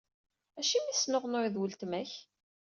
Acimi i tesnuɣnuyeḍ weltma-k?